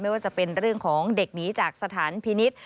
ว่าจะเป็นเรื่องของเด็กหนีจากสถานพินิษฐ์